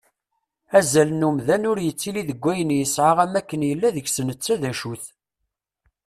Azal n umdan ur yettili deg ayen yesεa am akken yella deg-s netta d acu-t.